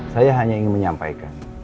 saya hanya ingin menyampaikan